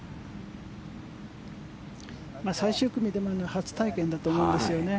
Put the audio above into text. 最終組では初体験だと思うんですね。